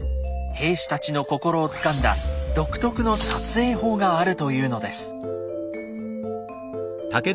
兵士たちの心をつかんだ独特の「撮影法」があるというのです。